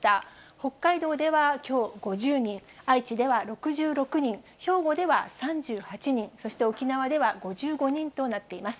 北海道ではきょう５０人、愛知では６６人、兵庫では３８人、そして沖縄では５５人となっています。